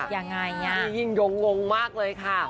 ยังไงงั้นพียิงยงวงมากเลยค่ะ